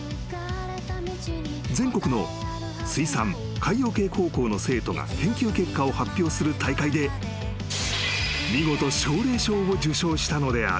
［全国の水産海洋系高校の生徒が研究結果を発表する大会で見事奨励賞を受賞したのである］